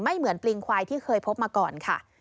เหมือนปลิงควายที่เคยพบมาก่อนค่ะ